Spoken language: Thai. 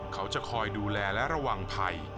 เขาจะคอยดูแลและระวังภัย